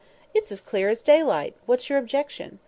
it's as clear as daylight. What's your objection?"